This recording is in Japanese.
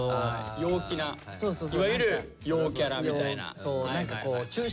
陽気ないわゆる陽キャラみたいな。